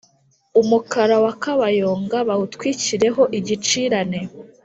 umukara wa kabayonga bawutwikireho igicirane